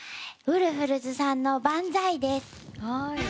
ウルフルズさんの「バンザイ」です。